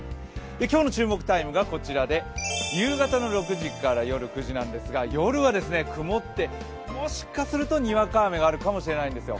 今日の注目タイムがこちらで夕方６時から夜９時なんですが、夜は曇ってもしかするとにわか雨があるかもしれないんですよ。